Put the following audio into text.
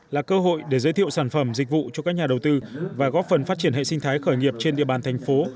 là cơ hội để giới thiệu sản phẩm dịch vụ cho các nhà đầu tư và góp phần phát triển hệ sinh thái khởi nghiệp trên địa bàn thành phố